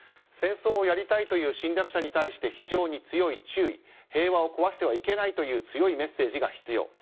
戦争をやりたいという侵略者に対して非常に強い注意平和を壊してはいけないという強いメッセージが必要。